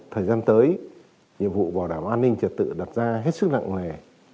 thời gian tới nhiệm vụ bảo đảm an ninh trật tự đặt ra hết sức lặng lẻ